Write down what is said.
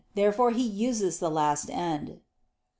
Therefore he uses the last end.